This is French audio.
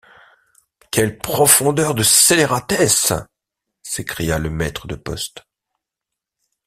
Quelle profondeur de scélératesse! s’écria le maître de poste.